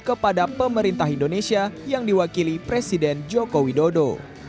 kepada pemerintah indonesia yang diwakili presiden joko widodo